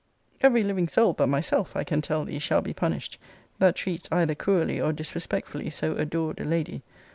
Every living soul, but myself, I can tell thee, shall be punished, that treats either cruelly or disrespectfully so adored a lady.